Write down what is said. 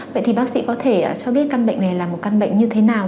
vậy thì bác sĩ có thể cho biết căn bệnh này là một căn bệnh như thế nào